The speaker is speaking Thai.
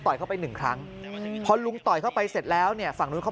เข้าไปหนึ่งครั้งพอลุงต่อยเข้าไปเสร็จแล้วเนี่ยฝั่งนู้นเขา